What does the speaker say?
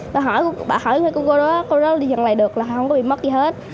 mặc áo khoác đen